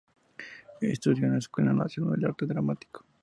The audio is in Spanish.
Estudió en la Escuela Nacional de Arte Dramático.